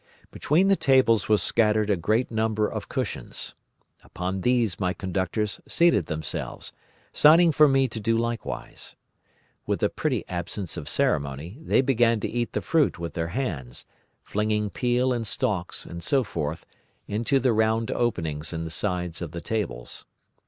"Between the tables was scattered a great number of cushions. Upon these my conductors seated themselves, signing for me to do likewise. With a pretty absence of ceremony they began to eat the fruit with their hands, flinging peel and stalks, and so forth, into the round openings in the sides of the tables.